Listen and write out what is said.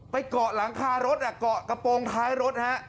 เกาะหลังคารถเกาะกระโปรงท้ายรถฮะ